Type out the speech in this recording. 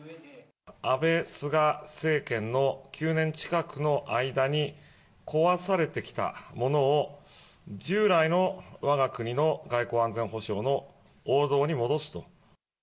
安倍、菅政権の９年近くの間に、壊されてきたものを、従来のわが国の外交安全保障の王道に戻すと。